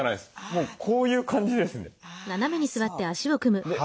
もうこういう感じですね。